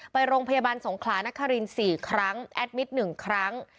ไปโรงพยาบาลสงขลานคริน๔ครั้งแอดมิตร๑ครั้ง